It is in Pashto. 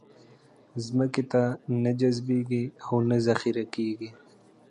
ځمکې ته نه جذبېږي او نه ذخېره کېږي.